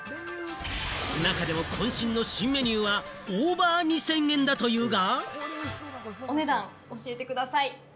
中でもこん身の新メニューは、オーバー２０００円だというが。